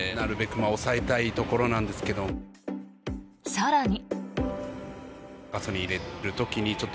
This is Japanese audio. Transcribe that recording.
更に。